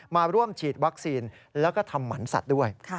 มาร่วมฉีดวัคซีนแล้วก็ทำหมันสัตว์ด้วย